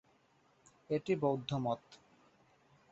এটি বৌদ্ধ মত।